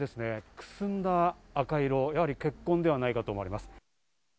くすんだ赤色、血痕ではないかと思われます。